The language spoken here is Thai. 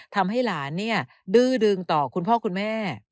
ทำให้หลานดื้อดึงต่อคุณพ่อคุณแม่